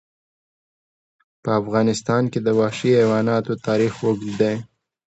په افغانستان کې د وحشي حیواناتو تاریخ اوږد دی.